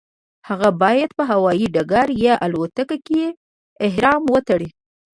هغه باید په هوایي ډګر یا الوتکه کې احرام وتړي.